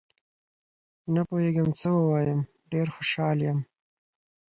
نه پوهېږم څه ووایم، ډېر خوشحال یم